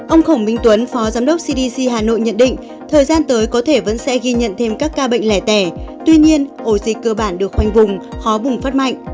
ông khổng minh tuấn phó giám đốc cdc hà nội nhận định thời gian tới có thể vẫn sẽ ghi nhận thêm các ca bệnh lẻ tẻ tuy nhiên ổ dịch cơ bản được khoanh vùng khó bùng phát mạnh